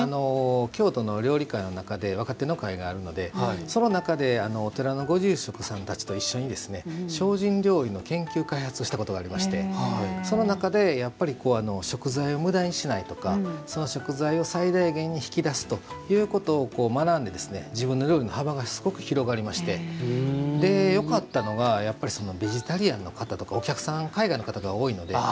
京都の料理界の中で若手の会があるのでその中で、お寺のご住職さんたちと一緒に精進料理の研究開発をしたことがありましてその中で食材をむだにしないとか食材を最大限に引き出すということを学んで、自分の料理の幅がすごく広がりましてよかったのがやっぱりベジタリアンの方とかお客さん、海外の方が多いので。